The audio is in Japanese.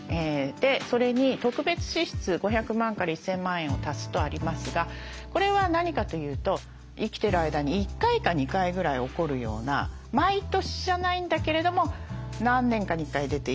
それに特別支出５００万から１，０００万円を足すとありますがこれは何かというと生きてる間に１回か２回ぐらい起こるような毎年じゃないんだけれども何年かに１回出ていくようなお金。